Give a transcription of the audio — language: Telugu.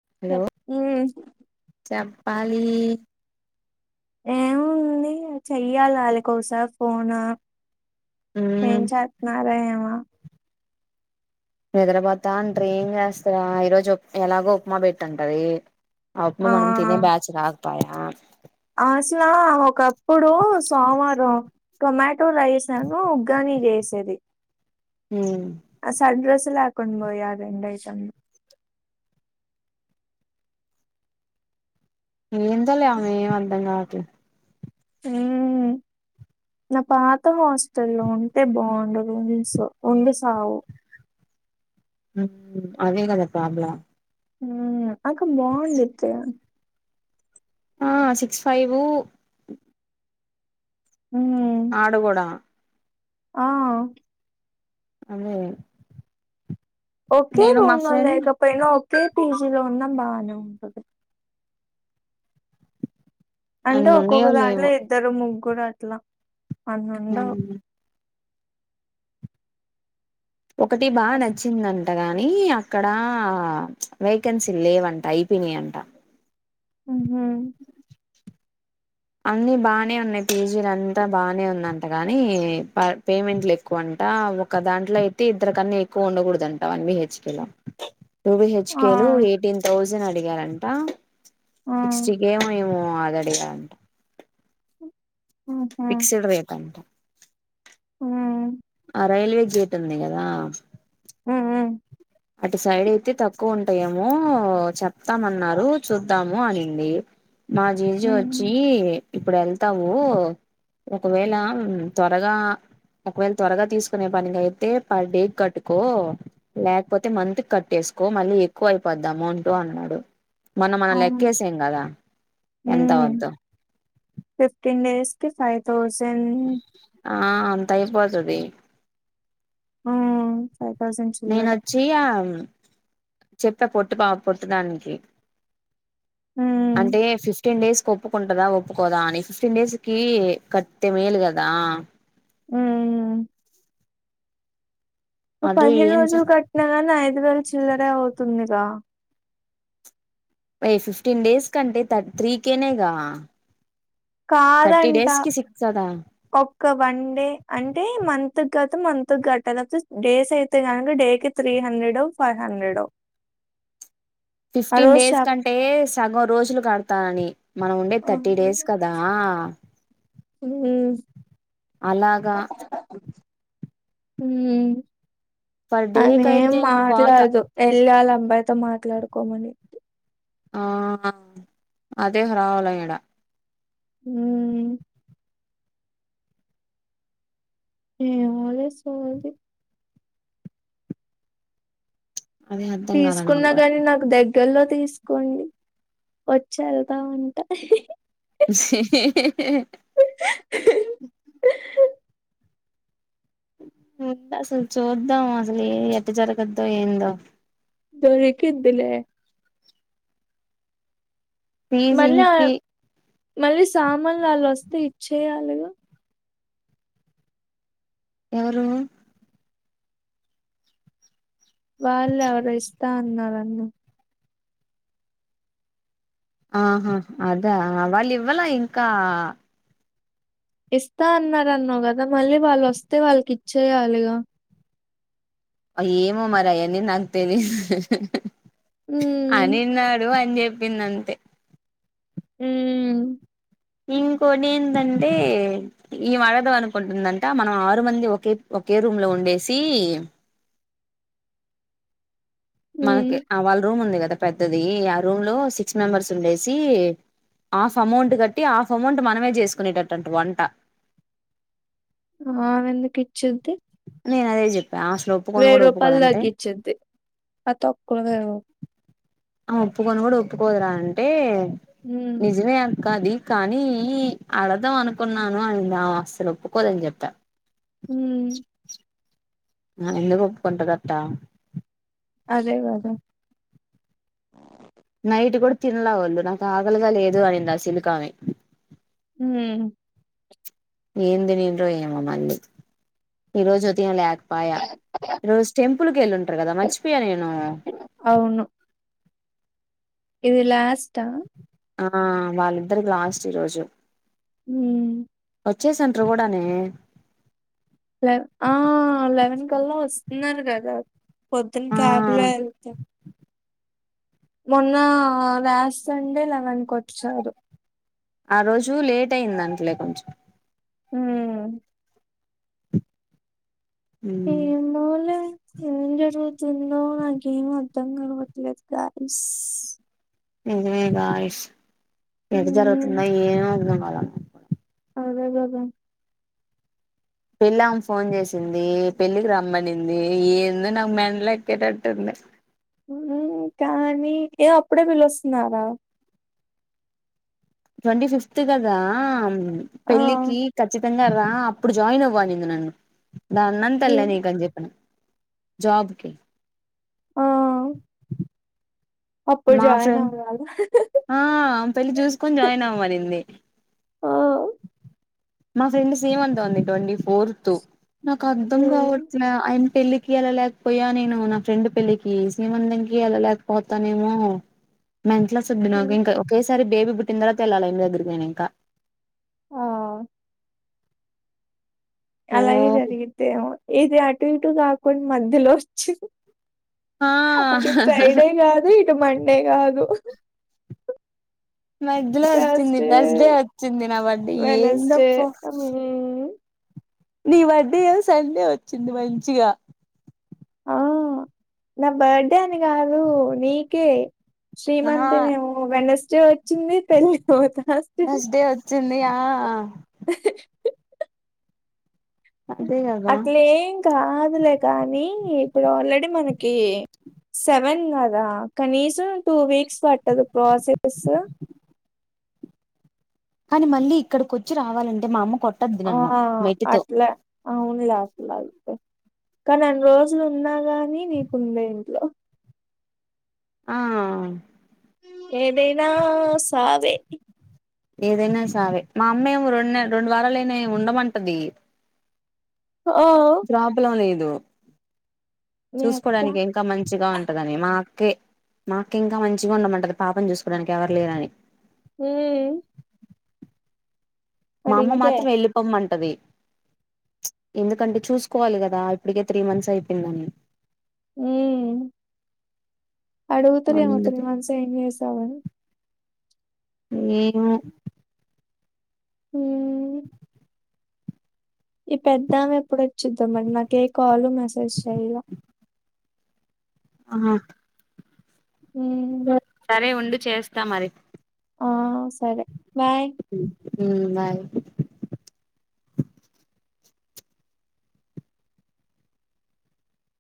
చె పాలి ఏముంది చెయ్యాలి వాళ్ళ కోస ఫోన్ ఏం మ్మ్ చెప్పన్నారుారే నిద్రపోతా అంట్ర ఏం చేస్తారా ఈ రోజుప్ ఎలాగో ఉప్మా పెట్టింటది అప్పుడు ఆ మనం తినే బచర్ ఆకుపయాయా అసలా ఒకప్పుడు సోమవారం టొమాటోలా వేసాను ఉ్గని చేసేది మ్మ్ ఆ సడ్రెస్లాకుం పోయా అ రెం ఐటమ్ ఏంత లేమె ఏం అధం కావట్లే హ నా పాత హాస్టల్ల్లో ఉంటే బాగుండదు ఉ ఉండి సావు అవే కదా ప్రాబ్ల ఉ అక బాగుండతే ఆ సిక్స్ ఫైవ్ మ్మ్ ఆడు కూడా ఆ అమూ ఓకే రూమ్ లో లేకపోయినా ఓకే పీ జీ లో ఉన్నా బానే ఉంటది అంటే అన్ని ఉన్నాయో ఒక్కొక్క దాంట్లో లేవో ఇద్దరు ముగ్గురు అట్ల అన్నుండవ్ ఒకటి బా కాస్ నచ్చింది నన్ను టగానీ అక్కడా వేకెన్సీ లేవంట ఐపినయంట ఉహూ అన్ని బానే ఉన్నయ్ పీ జీ లంతా బానే ఉందంట కానీ, ప పేమెంట్లు ఎక్కువన్. టా ఒక దాంట్లో అయితే ఇద్దరుకన్నా ఎక్కువ ఉండకూడదంటా వన్ బి హెచ్ కే లో టూ బి హెచ్ ఆ కే లు ఎయిటీన్ థౌజన్ అడిగారంట ఆ సిక్స్టీ కేమో ఏమో ఆగడిగ ఉహు ఫిక్స్డ్ రేట్ అంటా ఊ ఆ రైల్వే గేట్ ఉంది గదా ఉ ఉ అటు సైడ్ అయితే తక్కువ ఉన్ టయేమో చెప్తామన్నారు చూద్దాము అనింది మా జీజ ఉమ్ ఒచ్చీ ఇప్పుడు ఎళ్తావూ ఒకవేళా ఉమ్ త్వరగా ఒకవేళ త్వరగా తీసుకునే పనికైతే పర్ డే కట్టుకో లా పోతే మంత్ కట్టేసుకో మళ్ళీ ఎక్కువ అయిపోద్ది అమౌంటు అన్నాడు మొన్న మనం అవును లెక్కేసేం గదా ఎంత ఉమ్ అవుద్దో తె ఫై థౌజన్ ఆ అంత అయిపోతది ఊ నేనొచ్చి ఆమ్ చెప్పా పొట్టు బా పొట్టుదానికి ఉమ్ అంటే ఫిఫ్టీన్ డేస్ కొక కుంటదా ఒప్పుకోదా అని ఫిఫ్టీన్ డేస్ కి కట్తె మేలు గదా ఊ ను అదే పదిహేను ఏం చే రోజులు కట్టినా గాని ఐదు వేలు చిల్లరే అవుతుందిరా ఏయ్ ఫిఫ్టీన్ డేస్ కంటే త త్రీ కేే నేగా కాదంట కదా ఒక్క వన్డే అంటే మన్ తు గత్ మంత్ గట్టాల జాస్ డేసే అయితే కనక డే కి త్రీ హండ్రెడో ఫై హండ్రెడో ఆ ఫిఫ్టీన్ రోజు డేస్ షాప్ కంటే సగం రోజులు కడతా అని మనం ఉండే థర్టీ డేస్ కదా ఉహూ అలాగా హూ పర్ డే ఆమె ఏం కయితే పాత మాట్లాడదు ఎళ్గాలమ్మ బాయ్తో మాట్లాడుకోమని ఆ అదే హ్రావ్లం ఈడ హ్మ్ ఏమోలె సోది అదే అర్థం కాల నాకు తీసుకున్నా కూడా గాని నాకు దగ్ గల్లో తీసుకోన్ని వచ్చి ఎళ్తా ఉంటె ఇస్సి హి హి హీ ఉ అసల్ చూద్దాం అసలు ఏ ఎట్ట జరగద్దో ఏందో దొరకిద్దిలే పీ జి మళ్ళీ ఆ- ఇంకి మళ్ళీ సామాన్లు వాళ్ళు వస్తే ఇచ్చేయాలిగా. ఎవరు? వాళ్ళు ఎవరు ఇస్తా అన్నారన్నావ్. ఆహా అదా వాళ్ళు ఇవ్వాల ఇంకా. ఇస్తా అన్నారన్నావు కదా మళ్ళీ వాళ్ళు వస్తే వాళ్ళకి ఇచ్చేయాలిగా. ఏమో మరి అయన్ని నాకు తెలిదు. మ్మ్ అనిన్నాడు అని చెప్పింది అంతే. హ్మ్. ఇంకోటి ఏంటంటే ఈ వడద అనుకుంటుందంట మనం ఆరు మంది ఒకే. ఒకే రూమ్ లో ఉండేసి. హ్మ్ మనకి వాళ్ళ రూమ్ ఉంది కదా పెద్దది ఆ రూమ్ లో సిక్స్ మెంబర్స్ ఉండేసి. ఆఫ్ అమౌంట్ కట్టి ఆఫ్ అమౌంట్ మనమే చేసుకునేటంట వంట. ఆ మనెందుక్ ఇచ్చది. నేనదే చెప్. వెయ్యి రూపాయలు తగ్గించిది అ తక్కువ. ఆమే ఒప్పుకొని కూడా ఒప్పుకోదరా అంటే హ్మ్ నిజమే. అది కానీ అడదాం అనుకున్నాను అని నా అసలు ఒప్పుకోదని చెప్ప. హుమ్. నను ఎందుకు ఒప్పుకుంటుది అట్టా. అదే కదా. నైట్ కూడా తినలేవాళ్ళు నాకు ఆకలిగ లేదు అనింది ఆస్లక్ ఆమె. హుమ్. ఏంది తినిండ్రో ఏమో మళ్లీ ఈరోజు ఉదయం లేకపో. పాయ రోజు టెంపుల్కి వెళ్ళింటారు కదా మర్చిపోయా నేను. అవును ఇది లాష్ట. ఆ వాళ్ళిద్దరికి లాస్ట్ ఈ రోజు. హామ్. వచ్చేసంట్ర కూడానే. లె ఆ లెవెన్ కల్లా వస్తున్నారు కదా. పొద్దున్న ఆ క్యాబ్ లో వెళ్తారు. మొన్న లాస్ట్ సండే లెవెన్కి వచ్చారు. ఆ రోజు లేట్ అయిందట్లే కొంచెం. హామ్. హ్మ్. ఏమోలే ఏం జరుగుతుందో నాకేం అర్థం కలవట్లేదు గాయ్స్. నిజమే గాయ్స్ ఎటు హ్మ్ జరుగుతుందో ఏం అర్థం కాలేదు నాకు. అదే కదా. పెళ్లి ఆమ ఫోన్ చేసింది పెళ్ళికి రమ్మనింది ఏందో నాకు మెంటల్ ఎక్కేటట్టుంది. హామ్ కానీ అప్పుడే పిలుస్తున్నారా. ట్వంటీ ఫిఫ్త్ కదా ఆ! పెళ్ళికి ఖచ్చిత. సింగా రా అప్పుడు జాయిన్ అవ్వనింది నన్ను దాన్నంతల్లే హ్మ్. నీక అని చెప్పను. జాబ్ కి. ఆ. అప్పుడు మా జాయిన్ ఫ్రెండ్ అవ్వాలా? ఆ పెళ్లి చూసుకొని జాయిన్ అవ్వమనింది. ఆ! మా ఫ్రెండ్ సేమ్ అంతా ఉంది ట్వంటీ ఫోర్త్ నాకు అర్థం హ్మ్. కావట్లేదు. పెళ్ళలికి ఎలా లేకపోయా నేను నా ఫ్రెండ్ పెళ్ళికి శ్రీమంతం కి ఎలా లేకపోతానేమో. మెంట్లో సుద్దు నాకు హ్మ్. ఇంకా ఒకేసారి బేబీ పుట్టిన తర్వాత వెళ్లాలి ఇంటి దగ్గరికి పోయినంక. ఆ! అలాగే ఓ జరిగితేమో ఏది అటు ఇటు కాకుండా మధ్యలో వచ్చింది. ఆ అటు ఫ్రైడే కాదు ఇటు మండే కాదు. మధ్యలో వచ్చింది ట్యూస్డే థర్స్డే వచ్చింది నా బర్త్డే వెడ్నెస్డే ఏందప్పో నీ బర్త్డే ఏమో సండే వచ్చింది మంచిగా ఆ నా బర్త్డే అని కాదు నీకే ఆ శ్రీమంతం ఏమో వెడ్నెస్డే వచ్చ వచ్చింది తేలేదు ట్యూస్డే థర్స్డే వచ్చింది ఆ అదే కదా అట్లేం కాదులే కానీ ఇప్పుడు ఆల్రెడీ మనకి సెవెన్ కదా కనీసం టూ వీక్స్ పట్టదు ప్రాసెస్ కానీ మళ్ళీ ఇక్కడికి వచ్చి రావాలంటే మా అమ్మ కొ ఆ అట్లా అవును లాస్లాతే కానీ అన్ని రోజులు ఉన్నా గాని నీకుంది ఇంట్లో ఆ ఏదైనా సావే ఏదైనా సావే మా అమ్మా ఏమో రెండు రెండు వారాలుయినా ఉండమంటది ఓ ప్రాబ్లంలేదు మీ అక్క చూసుకోడానికి ఇంకా మంచిగా ఉంటదని మా కే మా అక్క ఇంకా మంచిగా ఉండమంటది పాపని చూసుకోవడానికి ఎవరు లేరని ఉ మా అమ్మ మాత్రం వెళ్ళిపోమంటది ఎందుకంటే చూసుకోవాలి కదా ఇప్పటికే త్రీ మంత్స్ అయిపోయిందని ఉ అడగుతరెమో త్రీ అందుకే మంత్స్ ఏం చేసావు అని ఏమో ఉ ఈ పెద్దామె ఎప్పుడు వచ్చిద్దో మరి నాకు ఏ కాల్ మెసేజ్ చెయ్యలే ఆహ ఉమ్ సరే ఉండు చేస్తా మరి ఆ సరే బాయ్. బాయ్